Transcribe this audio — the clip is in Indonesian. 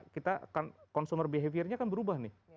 kita kan consumer behaviornya kan berubah nih